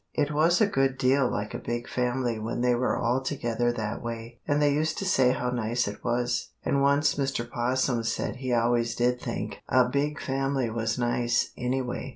It was a good deal like a big family when they were all together that way, and they used to say how nice it was, and once Mr. 'Possum said he always did think a big family was nice, anyway.